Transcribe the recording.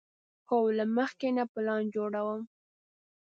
هو، له مخکې نه پلان جوړوم